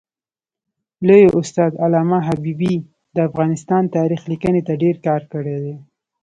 لوی استاد علامه حبیبي د افغانستان تاریخ لیکني ته ډېر کار کړی دی.